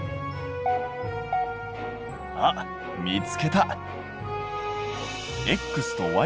あっ見つけた。